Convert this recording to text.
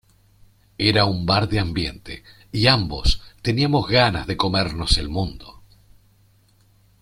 Era un bar de ambiente y ambos teníamos ganas de comernos el mundo.